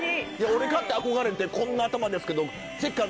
俺かて憧れてこんな頭ですけど。